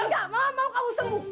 enggak mama mau kamu sembuh